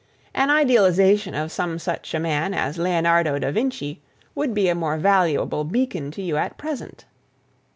An idealization of some such a man as Leonardo da Vinci would be a more valuable beacon to you at present.